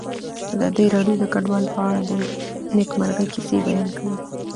ازادي راډیو د کډوال په اړه د نېکمرغۍ کیسې بیان کړې.